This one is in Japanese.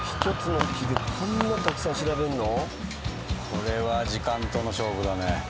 これは時間との勝負だね。